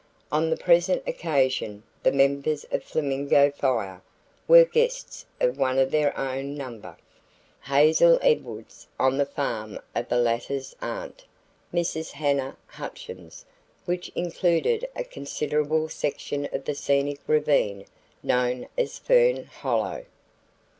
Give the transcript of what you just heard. On the present occasion the members of Flamingo Fire were guests of one of their own number, Hazel Edwards, on the farm of the latter's aunt, Mrs. Hannah Hutchins, which included a considerable section of the scenic Ravine known as Fern hollow.